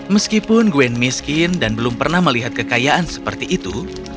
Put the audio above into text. meskipun gwen miskin dan belum pernah melihat kekayaan seperti itu